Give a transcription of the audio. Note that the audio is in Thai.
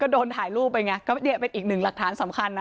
โดนถ่ายรูปไปไงก็เนี่ยเป็นอีกหนึ่งหลักฐานสำคัญนะ